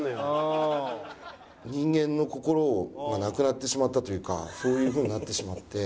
人間の心がなくなってしまったというかそういう風になってしまって。